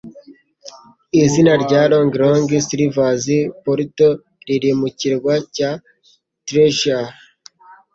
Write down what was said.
Izina rya Long Long Silvers Parrot riri mu Kirwa cya Treasure?